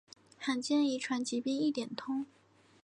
罕见遗传疾病一点通